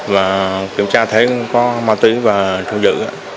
và kiểm tra thấy có ma túy và thu giữ